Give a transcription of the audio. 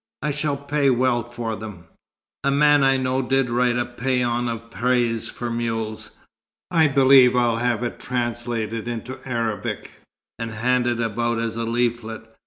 I shall pay well for them. A man I know did write a pæan of praise for mules. I believe I'll have it translated into Arabic, and handed about as a leaflet.